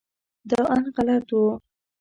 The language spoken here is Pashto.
دا اند غلط و.